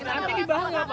tapi ada kemungkinan